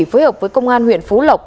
phối hợp với công an huyện phú lộc